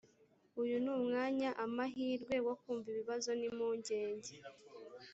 uyu ni umwanya amahirwe wo kumva ibibazo n impungenge